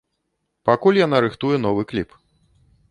Пакуль яна рыхтуе новы кліп.